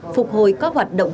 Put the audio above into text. phục hồi các hoạt động